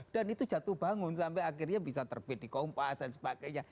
dan itu jatuh bangun sampai akhirnya bisa terbit di kompas dan sebagainya